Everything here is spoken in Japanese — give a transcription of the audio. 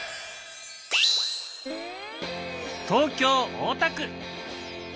東京・大田区。